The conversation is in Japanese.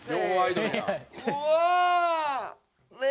うわ！